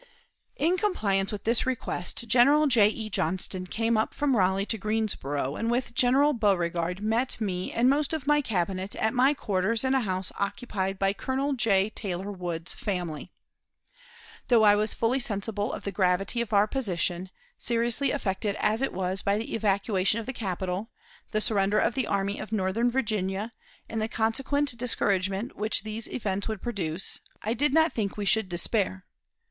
In compliance with this request, General J. E. Johnston came up from Raleigh to Greensboro, and with General Beauregard met me and most of my Cabinet at my quarters in a house occupied by Colonel J. Taylor Wood's family. Though I was fully sensible of the gravity of our position, seriously affected as it was by the evacuation of the capital, the surrender of the Army of Northern Virginia, and the consequent discouragement which these events would produce, I did not think we should despair.